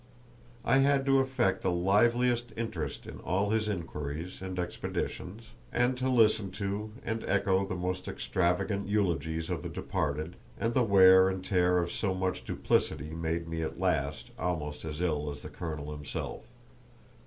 I had to affect the liveliest interest in all his inquiries and expeditions, and to listen to and echo the most extravagant eulogies of the departed; and the wear and tear of so much duplicity made me at last almost as ill as the colonel himself.